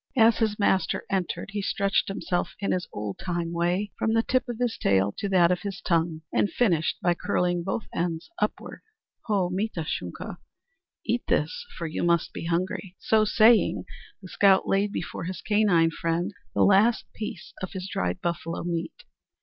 As his master entered he stretched himself in his old time way, from the tip of his tail to that of his tongue, and finished by curling both ends upward. "Ho, mita Shunka, eat this; for you must be hungry!" So saying, the scout laid before his canine friend the last piece of his dried buffalo meat.